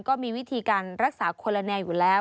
ก็มีวิธีการรักษาคนละแนวอยู่แล้ว